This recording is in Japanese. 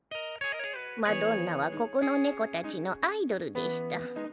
マドンナはここの猫たちのアイドルでした。